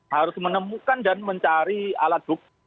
harus menemukan dan mencari alat bukti